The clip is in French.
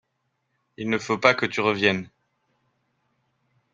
Il ne faut pas que tu reviennes